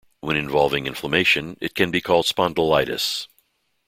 When involving inflammation, it can be called spondylitis.